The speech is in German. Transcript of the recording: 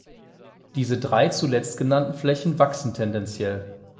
Diese drei zuletzt genannten Flächen wachsen tendenziell.